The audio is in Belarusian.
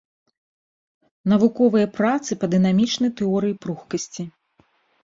Навуковыя працы па дынамічнай тэорыі пругкасці.